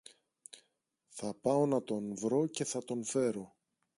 Θα πάω να τον βρω και θα τον φέρω.